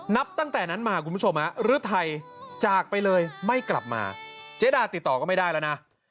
นับตั้งแต่นั้นมาคุณผู้ชมฤทัยจากไปเลยไม่กลับมาเจ๊ดาติดต่อก็ไม่ได้แล้วนะ